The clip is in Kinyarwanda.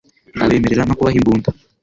abemerera no kubaha imbunda